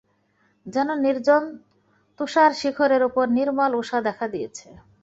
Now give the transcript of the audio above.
যেন নির্জন তুষারশিখরের উপর নির্মল উষা দেখা দিয়েছে।